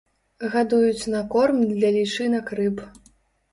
Гадуюць на корм для лічынак рыб.